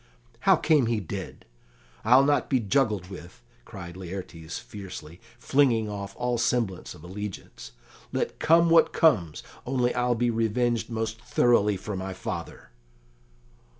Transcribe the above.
"How came he dead? I'll not be juggled with," cried Laertes fiercely, flinging off all semblance of allegiance. "Let come what comes, only I'll be revenged most thoroughly for my father."